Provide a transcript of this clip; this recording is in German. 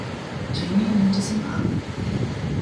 Jamie nimmt es ihm ab.